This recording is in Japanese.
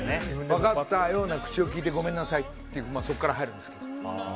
分かったような口をきいてごめんなさいってそこから入るんですけど。